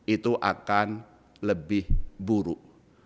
itu akan lebih buruk